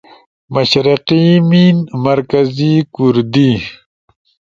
مشرقی میِن، مرکزی کُوردی